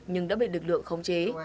nhưng đã bị lực lượng khống chế